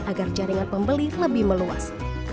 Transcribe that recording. agar jaringan pembeli lebih meluas